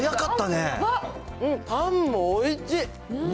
パンもおいしい。